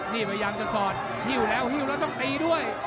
นี่พยายามจะสอดหิ้วแล้วหิ้วแล้วต้องตีด้วย